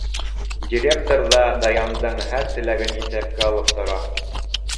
Директор ҙа Даяндың һәр теләген иҫәпкә алып тора.